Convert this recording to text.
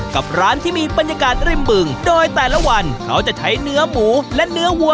กับร้านที่มีบรรยากาศริมบึงโดยแต่ละวันเขาจะใช้เนื้อหมูและเนื้อวัว